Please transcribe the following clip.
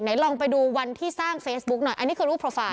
ลองไปดูวันที่สร้างเฟซบุ๊กหน่อยอันนี้คือรูปโปรไฟล